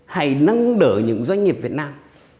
hãy nâng đỡ những doanh nghiệp việt nam